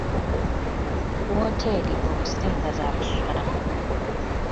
Wooteeri okusinga za kusulamu.